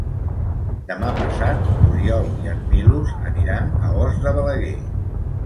Demà passat n'Oriol i en Milos aniran a Os de Balaguer.